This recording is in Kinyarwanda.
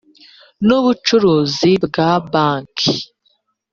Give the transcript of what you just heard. n ubucuruzi bwa banki